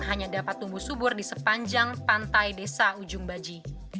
hanya dapat tumbuh subur di sepanjang pantai desa ujung baji